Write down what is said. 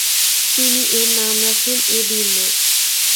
তিনি এর নাম রাখেন এদির্ন।